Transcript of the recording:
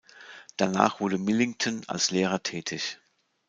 Danach wurde Millington als Lehrer tätig.